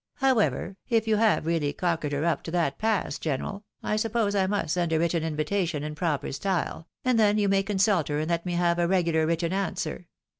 However, if you have really cockered her up to that pass, general, I suppose I must send a written invitation in proper style, and then you may consult her and let me have a regular written answer.